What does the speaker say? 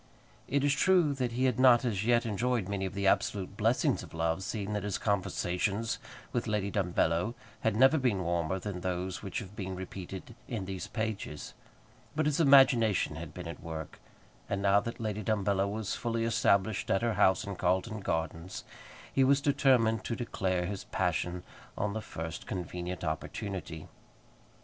It is true that he had not as yet enjoyed many of the absolute blessings of love, seeing that his conversations with Lady Dumbello had never been warmer than those which have been repeated in these pages; but his imagination had been at work; and now that Lady Dumbello was fully established at her house in Carlton Gardens, he was determined to declare his passion on the first convenient opportunity.